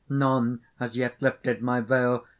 none has yet lifted my veil!